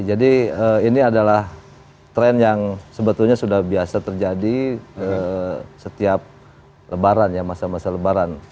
jadi ini adalah tren yang sebetulnya sudah biasa terjadi setiap lebaran ya masa masa lebaran